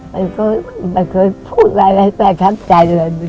บ้าไปป็อตใจก็แบบนี้